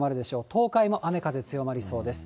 東海も雨風強まりそうです。